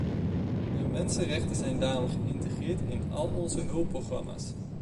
De mensenrechten zijn daarom geïntegreerd in al onze hulpprogramma's.